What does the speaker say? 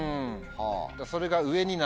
それが。